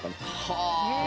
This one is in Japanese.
はあ！